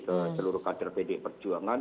ke seluruh kader pdi perjuangan